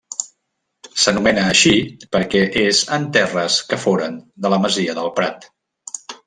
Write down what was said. S'anomena així perquè és en terres que foren de la masia del Prat.